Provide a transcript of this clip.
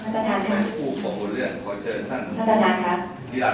คนที่ให้พูดบอกเกตุเรื่องขอเชิญท่าน